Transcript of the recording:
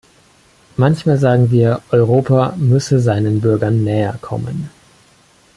Manchmal sagen wir, Europa müsse seinen Bürgern näher kommen.